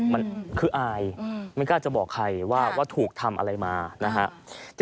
มันคืออายไม่กล้าจะบอกใครว่าถูกทำอะไรมานะฮะ